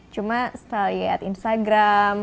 cuma setelah lihat instagram